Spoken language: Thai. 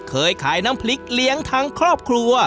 เคยขายน้ำพริกเลี้ยงทั้งครอบครัว